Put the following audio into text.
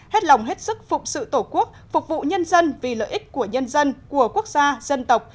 hết lòng hết sức phụng sự tổ quốc phục vụ nhân dân vì lợi ích của nhân dân của quốc gia dân tộc